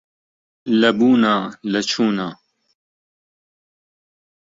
لە بوونا لە چوونا